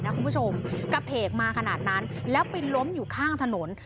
กระเพกมาขนาดนั้นแล้วไปล้มอยู่ข้างถนน